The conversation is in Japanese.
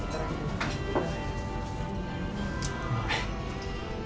うまい。